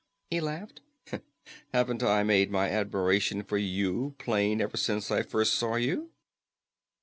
he laughed. "Haven't I made my admiration for you plain ever since I first saw you?"